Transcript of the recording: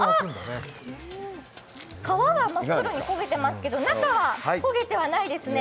皮は真っ黒に焦げてますけど中は焦げてはないですね。